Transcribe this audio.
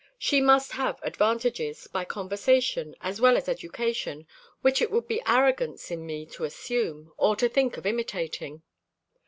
She must have advantages, by conversation, as well as education, which it would be arrogance in me to assume, or to think of imitating.